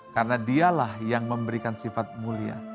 karena dialah yang memberikan sifat mulia